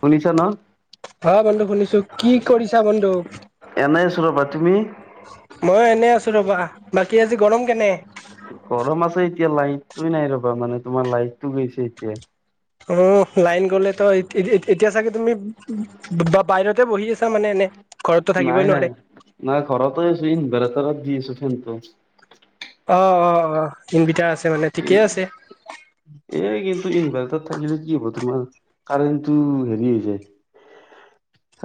শুনিছ ন'। অ', বন্ধু শুনিছো কি কৰিছা বন্ধু। এনেই আছো ৰ'বা তুমি মই এনে আছো ৰবা বাকী আজি গৰম কেনে গৰম আছে এতিয়া লাইনটোৱে নাই ৰবা মানে তোমাৰ লাইটটো গৈছে এতিয়া। অ', লাইন গ'লে তো - এত এত এতিয়া চাগে তুমি বা-বাহিৰতে বহি আছা মানে এনে। ঘৰততো থাকিবই নাই' নাই' নোৱাৰে নাই ঘৰত আছো ইনভাৰ্টাৰত দি আছো ফেনটো। অ', অ', অ' ইনভাৰ্টাৰ আছে মানে ঠিকেই আছে। এই কিন্তু ইনভাৰ্টাৰ‌‌ থাকিলে কি হ'ব তোমাৰ কাৰেণ্ট হেৰি হৈ যায়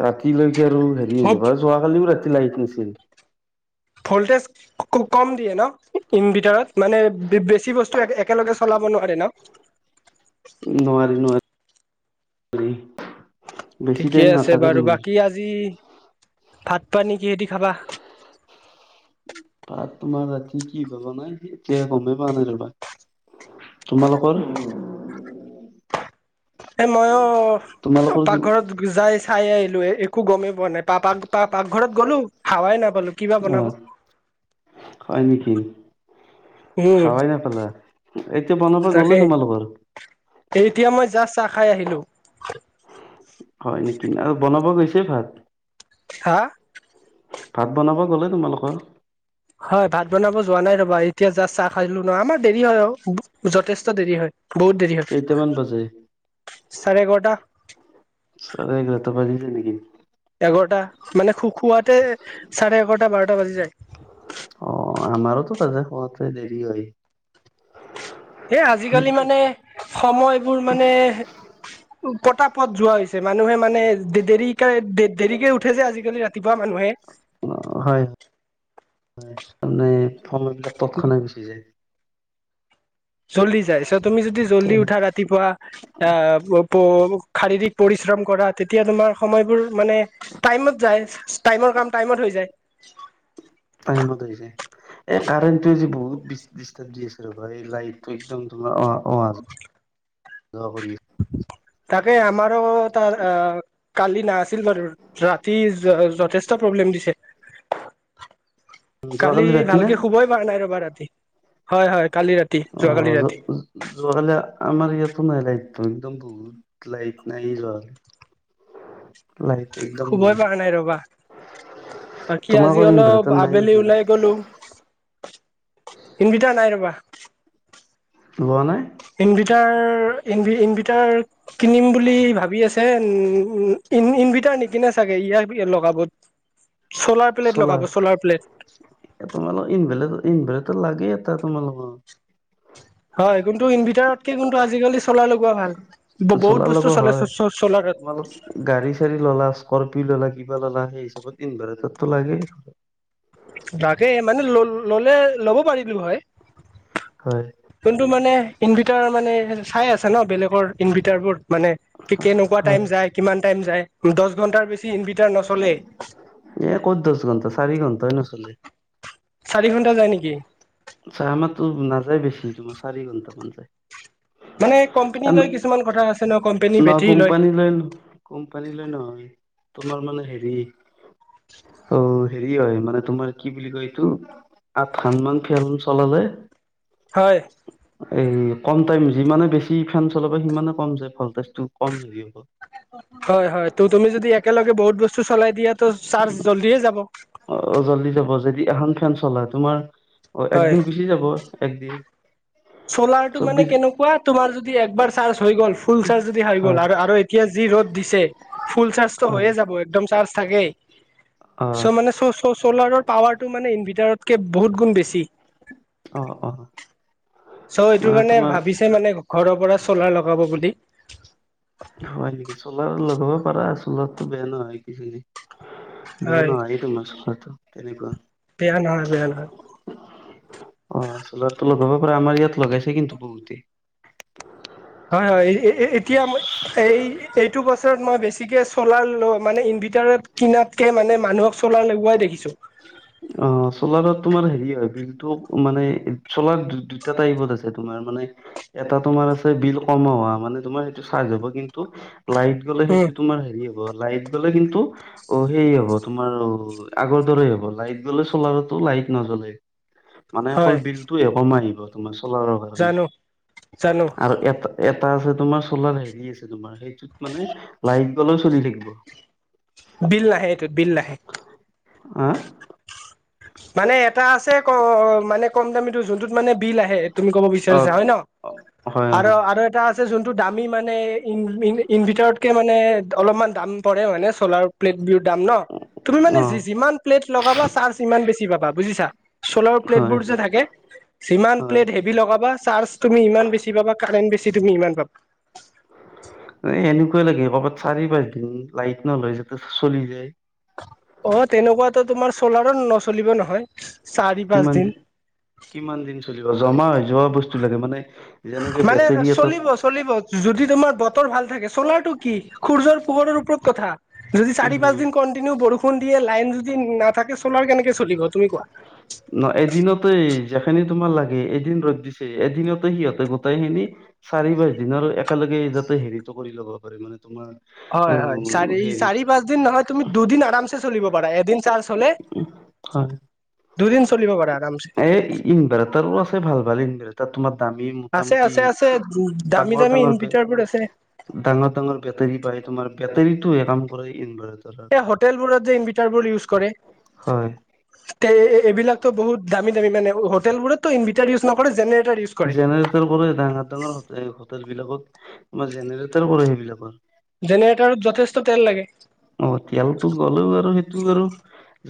ৰাতিলৈকে আৰু হে হব ব সোোৱা খালি ৰাতি ল আহট নাছিল। [unintelligible] ফল্টেজ ক-কম দিয়ে ন'ইনভিটাৰত মানে বে বেছি বস্তু একেলগে চলাব নোৱাৰে ন'? নোৱাৰি নোৱাৰি উম ঠিকে আছে বাৰু বাকী আজি ভাত পানী কিহেদি খাবা। ভাত তোমাৰ ৰাতি কি'বা বনাই এতিয়া গমেই পোৱা নাই ৰবা তোমালোকৰ এ মইয়ো তোমালোকৰ কি পাকঘৰত যাই চাই আহিলো। এ একো গমেই পোৱা নাই। পাপা পা পাকঘৰত গ'লো হাৱাই নাপালো। কিবা বনাব অ', হয়। নেকি? উম খাৱাই নেপালা এতিয়া বনাব তাকে গ'লে তোমালোকৰ এতিয়া মই জাষ্ট চাহ খাই আহিলো। হয় নেকি আৰু বনাব গৈছে ভাত হা ভাত বনাব গ'লে তোমালোকৰ হয়। ভাত বনাব যোৱা নাই। ৰবা এতিয়া জাষ্ট চাহ খাইছিলো নহ আমাৰ দেৰি হয় অ ব যথেষ্ট দেৰি হয়। বহুত দেৰি কেইটামান বাজে হত চাৰে এঘৰটা চাৰে এঘাৰটা বাজি যায় নেকি? এঘৰটা মানে খু খুৱতে চাৰে এঘৰটা বাৰটা বাজি যায়। অ', আমাৰোতো বাজে খোৱাওতে দেৰি হয়। এ আজিকালি মানে সময়বোৰ মানে পটা পত যোৱা হৈছে। মানুহে মানে দেৰিক দেৰিকে উঠে যে আজিকালি ৰা তিপুৱা মানুহে। অঁ হয়। তাৰমানে ফৰ্ময় বিলাক তৎক্ষণাত গুচি যায়। জল্দি যাই, চ তুমি যদি জল্দি তেনে উঠা ৰাতিপুৱা আঁহ প শাৰীৰিক পৰিশ্ৰম কৰা তেতিয়া তোমাৰ সময়বোৰ মানে টাইমত যায়, টাইমৰ কাম টাইমত হৈ যায়। টাইমত হৈ যায়। এই কাৰেণ্টটো আজি বহুত আজি দিচ দিষ্টতাৰব দি আছে। ৰবা এই লাইটটো একদম তোমাৰ অঁ। অঁ যোৱা কৰি। আছে তাকে আমাৰো তাৰ আহঁ কালি নাছিল বাৰু ৰাতি যথেষ্ট প্ৰব্লেম দিছে। [inaudible] কালি ৰাতি না ভালকে শুবই পৰা নাই ৰবা ৰাতি হয় হয় কালি ৰা অঁ যোৱাকালি আমাৰ ইয়াতো নাই লাইট একদম বহুত লাইট নাই যহাল। [unintelligible] শুবই পৰা নাই ৰবা। বাকী আজি তোমালোকৰ ইনভাৰ্টাৰ অলপ নাই আবেলি নেকি ওলাই গলো। ইনভিতাৰ নাই ৰবা। লোৱা নাই। ইনভিৰটাৰ ইনভিৰটাৰ কিনিম বুলি ভাবি আছে। উম ই ইনভাৰ্টাৰ নিকিনে চাগে, ইয়াৰবে লগাব। চ'লাৰ প্লেট লগাব চ'লাৰ প্লেট তোমালোক ইনভলে ইনভেলেতাৰ লাগে এটা তোমালোক হয়, কিন্তু ইনভাৰ্টাৰতকে কিন্তু আজিকালি চলাই লগোৱা ভাল। বহুত চলাৰ বস্তু লগোৱা চলে হয় চ চলাৰত। তোমালোক গাড়ী চাড়ী ললা স্কৰপিঅ' ললা কিবা ল'লা সেই হিচাপত ইনভাৰ্টাৰটো লাগেই। তাকে মানে ল ললে ল'ব পাৰিলো হয়। হয়। যোনটো মানে ইনভাৰটাৰ মানে চাই আছে, ন বেলেগৰ ইনভাৰটাৰ বোৰ। মানে কেনেকুৱা হয় টাইম যায়, কিমান টাইম যায়। দশ ঘন্টাৰ বেছি ইনভাৰ্টাৰ নচলেই। এ ক'ত দশ ঘণ্টা, চাৰি ঘণ্টাই নচলে। চাৰি ঘণ্টা যায় নেকি? চ আমাৰতো নাযায় বেছি তোমাৰ মই চাৰি ঘণ্টা মান যায়। মানে কোম্পনী লৈ কিছুমান কথা আছে ন, কোম্পনীৰ বেটেৰী লই। [inaudible] কোম্পানীলৈ নহয়, তোমাৰ মানে হেৰি অঁ হেৰি হয় মানে তোমাৰ কি বুলি কয় এইটো আঠ সান মান ফেচবুক চলালে হয়। এই কম টাইম যিমানে বেছি ফেন চলাব সিমানে কম যায় ভলটেজ টো কম হেৰি হব। হয় হয় ত' তুমি যদি একেলগে বহুত বস্তু চলাই দিয়া তো চাৰ্জ জল্ডিয়ে যাব। অ জল্দি যাব যদি এখন ফেন চলা তোমাৰ অ হয় একদিন গুচি যাব একদিন। চলাৰটো মানে চৌবিশ কেনেকুৱা তোমাৰ যদি একবাৰ চাৰ্জ হৈ গল ফুল চাৰ্জ যদি হৈ গ'ল হয় আৰ আৰ এইট এতিয়া যি ৰ'দ দিছে ফুল চাৰ্জটো হৈয়ে হয় যাব একদম চাৰ্জ থাকেই অ চ' মানে চ চ চ'লাৰৰ পাৱাৰটো মানে ইনভাৰ্টাৰতকে বহুত গুণ বেছি অ অ চ' এইটো মানে কাৰনে তোমাৰ ভাবিছে মানে ঘৰৰ পৰা চলাৰ লগাব বুলি হয় নেকি চলাৰ লগাব পাৰা চলাৰটো বেয়া নহয় কিজানি বেয়া হয় নহয় হে তোমাৰ চলাৰটো তেনেকুৱা বেয়া নহয় বেয়া নহয় অ চলাৰটো লগাব পাৰা আমাৰ ইয়াত লগাইছে কিন্তু বহুতেই হয় হয় এ এ এতিয়া মই সেই এইটো বছৰত মই বেছিকে চলাৰ ল মানে ইনভিৰ্টাৰত কিনাতকে মানে মানুহক চলাৰ লগোৱাই দেখিছো অ চলাৰত তোমাৰ হেৰি হয় বিলটো মানে চলাৰ দু দুটা টাইপত আছে তোমাৰ মানে এটা তোমাৰ আছে বিল কম হোৱা মানে তোমাৰ সেইটো চাৰ্জ হ'ব কিন্তু লাইট গ'লে উম সেইটো তোমাৰ হেৰি হয় লাইট গলে কিন্তু অ সেই হ'ব তোমাৰ আগৰ দৰেই হ'ব লাইট গ'লে চলাৰতো লাইট নজ্বলে মানে অকল হয় বিলটো এ কমা আহিব তোমাৰ চলাৰৰ হয় উম জানো জানো আৰু এটা এটা আছে তোমাৰ চলাৰ হেৰি আছে তোমাৰ সেইটোত মানে লাইট গলেও চলি থাকিব বিল নাহে এইটোত বিল নাহে অ মানে এটা আছে ক মানে কম দামীটো যোনটোত মানে বিল আহে তুমি ক'ব অ বিচাৰিছা হয় ন হয় আৰ হয় আৰ এটা আছ ছে যোনটো দামী মানে ইনভেটাৰতকে মানে অলপমান দাম পৰে মানে চলাৰ প্লেট বি দাম ন তুমি মানে অ যি যিমান প্লেট লগাবা চাৰ্জ সিমান বেছি পাবা বুজিছা চলাৰৰ প্লেট হয় বোৰ যে হয় থাকে যিমান হয় প্লেট হে বি লগাবা চাৰ্জ তুমি ইমান বেছি পাবা কাৰেণ্ট বেছি তুমি ইমান পাবা এনেকুৱা লাগে কৰবাত চাৰি পাঁচ দিন লাইট নলয় যাতে চলি যায় অ তেনেকুৱাতো তোমাৰ চলাৰো নচলিব নহয় চাৰি পাঁচ কিমান দিন দি কিমান দিন চলিব জমা হৈ যোৱা বস্তু লাগে মানে যেনেকে মানে বেটৰী চলিব এটাত চলিব যদি তোমাৰ বতৰ ভাল থাকে চলাটো কি সূৰ্যৰ পোহৰৰ ওপৰত কথা যদি চাৰি উম পাঁচ দিন কণ্টিনিউ বৰষুণ দিয়ে লাইন যদি নাথাকে চলাৰ কেনেকে চলিব তুমি কোৱা ন এদিনতে যেখিনি তোমাৰ লাগে এদিন ৰ'দ দিছে এদিনতে সিহঁতে গোটাই খিনি চাৰি পাঁচ দিনৰ আৰু একেলগে যাতে হেৰিটো কৰি ল'ব পাৰি মানে তোমাৰ অ হয় হয় চাৰি হেৰি চাৰি পাঁচ দিন নহয় তুমি দুদিন আৰামছে চলিব পাৰা এদিন চাৰ্জ হলে হয় দুদিন চলিব পাৰা আৰামছে এ ইন ইনভাৰেটাৰো আছে ভাল ভাল ইনভা তাত তোমাৰ দামী আছে মোটামুটি আছে আছে দামী ডাঙৰ দামী ডাঙৰ পে ইনভাৰ্টাৰ বোৰ আছে ডাঙৰ ডাঙৰ বেটাৰী পায় তোমাৰ বেটাৰীতটোৱে কাম কৰে ইনভাটাৰ হে হটেল বোৰত যে ইনভিৰ্টাৰ বোৰ ইউজ কৰে হয় তে এ এ এইবিলাকত বহুত দামী দামী মানে হোটেলবোৰতটো ইনভিটাৰ ইউজ নকৰে জেনেটাৰ ইউজ কৰে জেনেৰেটৰ কৰে ডাঙৰ ডাঙৰ হো এ হোটেল বিলাকত তোমাৰ জেনেটৰ কৰে সেইবিলাকত জেনেৰেটাৰত যথেষ্ট তেল লাগে অ তেলতো গ'লেও আৰু সেইটো আৰু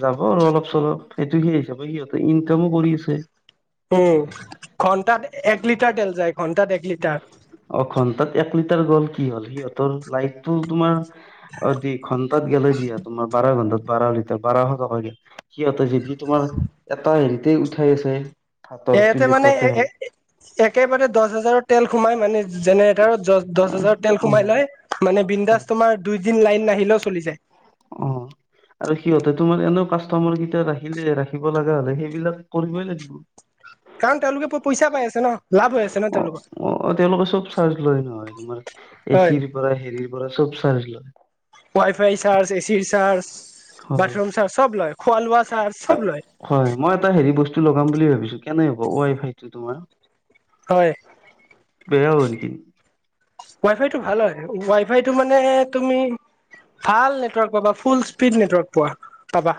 যাব আৰু অলপ-চলপ, এটো সেই হিচাপে সিহঁতে ইনকামো কৰি আছে। উম। ঘন্টাত এক লিটাৰ তেল যায়, ঘন্টাত এক লিটাৰ। অ' ঘন্টাত এক লিটাৰ গ'ল কি হ'ল? সিহঁতৰ লাইফটো তোমাৰ অ, দুই ঘন্টাত গ'লে দিয়া, তোমাৰ বাৰ ঘণ্টাত বাৰ লিটাৰ বাৰশ টকা গেল। সিহঁতে যেদি তোমাৰ এটা হেৰিতেই উঠাই আছে। ভাতৰ এয়েতে মানে প্লেটতে এ এ হওক একেবাৰে দহ হাজাৰৰ তেল সোমাই, মানে যেনেৰেটাৰত দহ হাজাৰৰ তেল উম সোমাই লয়। মানে হয়। বিন্দাচ তোমাৰ দুইদিন লাইন নাহিলেও চলি যায়। অ'। আৰু সিহঁতে তোমাৰ এনেও কাষ্টমাৰ কেইটা ৰাখিলে ৰাখিব লগা হ'লে, সেইবিলাক কৰিবই লাগিব। [inaudible] কাৰণ তেওঁলোকে প-পইচা পাই আছে ন', লাভ হৈ আছে ন' অ', তেওঁলোকৰ। অ', তেওঁলোকে চব চাৰ্জ লয় নহয় তোমাৰ এ হয় চিৰ পৰা হেৰিৰ পৰা চব চাৰ্জ লয়। ৱাই-ফাই চাৰ্জ, এ চিৰ চাৰ্জ, হয়। বাথৰুম চাৰ্জ, চব লয় খোৱা লোৱা চাৰ্জ চব লয়। হয়। মই এটা হেৰি বস্তু লগাম বুলি ভাবিছোঁ কেনে হ'ব ৱাই-ফাইটো তোমাৰ। হয়। বেয়া হ'ব নেকি? ৱাই-ফাইটো ভাল হয়, ৱাই-ফাইটো মানে তুমি ভাল নেটৱৰ্ক পাবা, ফুল স্পীড নেটৱৰ্ক পোৱা, পাবা।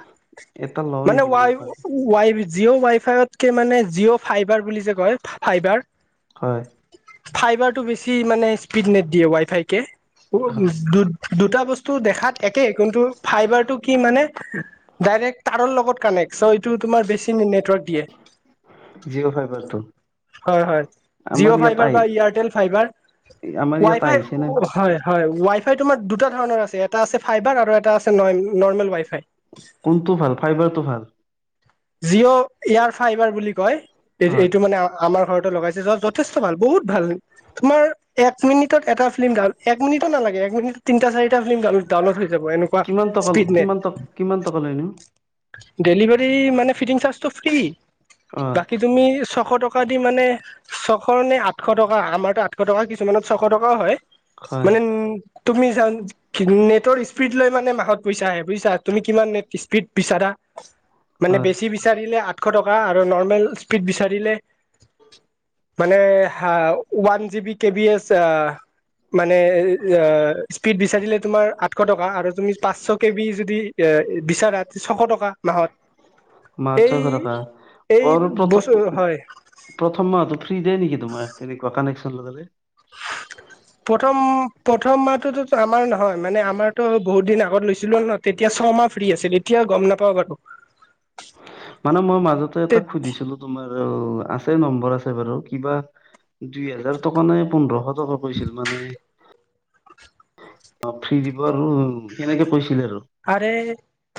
এটা লওঁ মানে নেকি মই ৱাই ভাল ৱাই জিঅ' ৱাই-ফাইতকে মানে জিঅ' ফাইবাৰ বুলি যে কয় ফাইবাৰ হয়। ফাইবাৰটো বেছি মানে স্পীড নেট দিয়ে, হয়। ৱাই-ফাইকে দুটা বস্তু দেখাত একে কিন্তু ফাইবাৰতটো কি মানে ডাইৰেক্ট তাৰৰ লগত কানেক্ট, চ' এইটো তোমাৰ বেছি নেটৱৰ্ক দিয়ে। জিঅ' ফাইবাৰটো হয়, হয়। জিঅ' ফাইবাৰ আমাৰ ইয়াত বা আহি এয়াৰটেল ফাইবাৰ। আমাৰ ইয়াত ৱাই-ফাই ও আহিছে নে? ও হয়। হয়। ৱাই-ফাই তোমাৰ দুটা ধৰণৰ আছে, এটা আছে ফাইবাৰ আৰু এটা আছে নৰ্মেল ৱাই-ফাই। কোনটো ভাল? ফাইবাৰটো ভাল? জিঅ' এয়াৰ ফাইবাৰ বুলি কয়। এই হয়। এইটো মানে আমাৰ ঘৰতে লগাইছে, য যথেষ্ট ভাল, বহুত ভাল। তোমাৰ এক মিনিটত এটা ফিল্ম ডাউন, এক মিনিটত নালাগে। এক মিনিটত তিনটা-চাৰিটা ফিল্ম ডাউলড হৈ যাব এনেক কিমান টকা, কিমান টক কিমান টকা লয় নো? ডেলিভাৰী মানে ফিটিং চাৰ্জটো ফ্ৰী, অ', বাকী তুমি ছশ টকা দি মানে ছশ নে আঠশ টকা। আমাৰতো আঠশ টকা কিছুমানত ছশ টকাও হয়, হয়, মানে ওন তুমি যান নেটৰ স্পীড লৈ মানে মাহত পইচা আহে। বুইছা? তুমি কিমান নেট স্পীড বিচাৰা। মানে হয়। বেছি বিচাৰিলে আঠশ টকা আৰু নৰ্মেল স্পীড বিচাৰিলে। মানে হা ওৱান জিবি কেবি এচ আ মানে স্পীড বিচাৰিলে তোমাৰ আঠশ টকা, আৰু তুমি পাঁচশ কে বিৰ যদি এ বিচাৰা, ছশ টকা মাহত। মাহত এই চয়শ টকা। এই ভৰ' পত' বস্তু হয় প্ৰথম মাহতো ফ্ৰী দে নেকি তোমাৰ এনেকুৱা কানেকচন লগালে? প্ৰথম প্ৰথম মাহটোতো আমাৰ নহয় মানে আমাৰতো বহুত দিন আগত লৈছিলো ন'। তেতিয়া ছমাহ ফ্ৰী আছিল, এতিয়া গম নাপাওঁ বাৰু। [inaudible] মানে মই মাজতে এটা সুধিছিলো, তোমাৰ আছে নম্বৰ, আছে বাৰু কিবা দুই হোজাৰ টকা নে, পোন্ধৰশ টকা পাইছিল মানে। অ, ফ্ৰী দিবৰ, আৰু তেনেকে কৈছিলে আৰু? আৰে,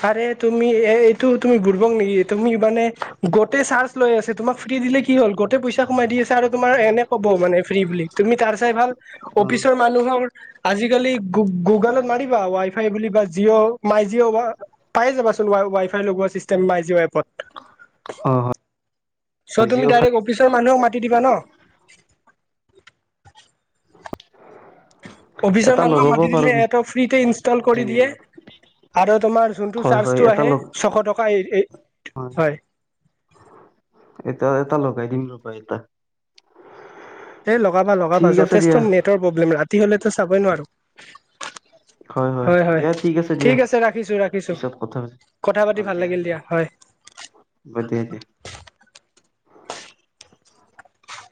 আৰে তুমি এ, এইটো তুমি, বুৰ্বক নেকি? তুমি মানে গোটেই চাৰ্জ লৈ আছে, তোমাক ফ্ৰী দিলে কি হ'ল, গোটেই পইচা সোমাই দি আছে আৰু তোমাৰ এনে ক'ব মানে ফ্ৰী বুলি। তুমি তাৰ চাই ভাল অ অফিচৰ মানুহৰ, আজিকালি গু-গুগলত মাৰিবা ৱাই, ফাই বুলি বা জিঅ মাই জি, অ, বা পায়ে যাবাচোনৱ ৱাই, ফাই লগোৱা চিষ্টেম মাই জি, অ, এপত। চ, অ হয় তুমি জিঅ' ফাই ডাইৰেক্ট অফিচৰ মানুহক মাতি দিবা ন। অফিচৰ এটা মানুহক লগাব মাতি পাৰো দিলে, এটো ফ্ৰীতে ইনষ্টল কৰি কিজানি দিয়ে। অলপ আৰু তোমাৰ যোনটো হয় হয় চাৰ্জটো এটা আহে, লগ ছশ টকা এই, এ, হয়। এতিয়া এয়াতেই লগাই দিম ৰবা, এয়াতে এই লগাবা, লগাবা, যথেষ্ট নেটৰ প্ৰব্লেম, ৰাতি হলেতো চাবই নোৱাৰো। হয়, হয়, দিয়া ঠিক আছে দিয়া, পিছত কথা পাতিম। কথা পাতি ভাল লাগিল দিয়া, হয়। [inaudible]